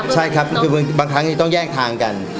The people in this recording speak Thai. ใช่ครับคือบางครั้งต้องแยกทางกัน